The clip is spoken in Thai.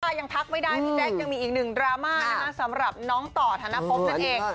ก็ยังพักไว้ได้วินแจกยังมีอีก๑ดราม่าสำหรับน้องต่อธานภพนั่นเอง